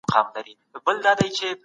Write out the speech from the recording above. د ښوونځي چاپېریال مهم دي.